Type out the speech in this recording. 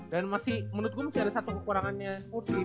dan masih menurut gue masih ada satu kekurangannya spurs sih